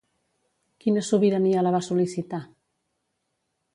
Quina sobirana la va sol·licitar?